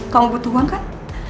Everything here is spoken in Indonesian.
kamu butuh uang kan